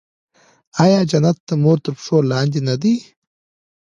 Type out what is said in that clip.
آیا جنت د مور تر پښو لاندې نه دی؟